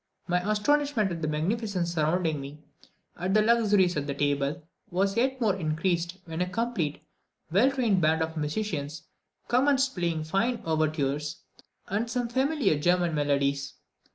My astonishment at the magnificence surrounding me, at the luxuries at table, was yet more increased when a complete, well trained band of musicians commenced playing fine overtures and some familiar German melodies.